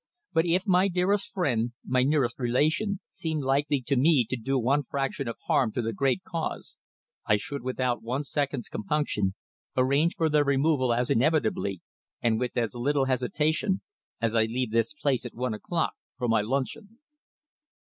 But if my dearest friend, my nearest relation, seemed likely to me to do one fraction of harm to the great cause, I should without one second's compunction arrange for their removal as inevitably, and with as little hesitation, as I leave this place at one o'clock for my luncheon."